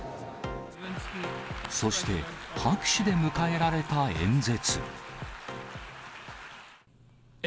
そして、拍手で迎えられた演説。